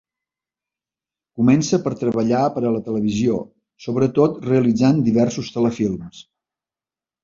Comença per treballar per a la televisió, sobretot realitzant diversos telefilms.